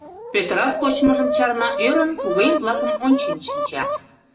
Пӧтырат кочмыжым чарна, ӧрын, кугыеҥ-влакым ончен шинча.